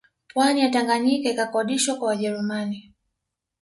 Pwani ya Tanganyika ikakodishwa kwa Wajerumani